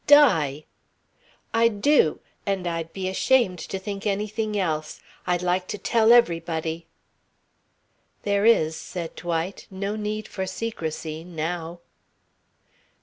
"Di!" "I do. And I'd be ashamed to think anything else. I'd like to tell everybody." "There is," said Dwight, "no need for secrecy now."